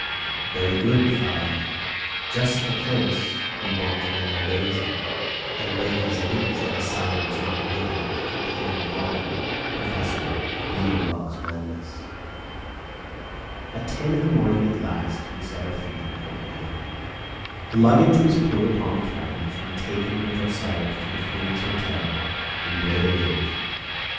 Very good! thought I, just the place we want to end our days in; and great as it is, that asylum is not big enough to contain all Professor Liedenbrock's madness! At ten in the morning, at last, we set our feet in Copenhagen; the luggage was put upon a carriage and taken with ourselves to the Phoenix Hotel in Breda Gate.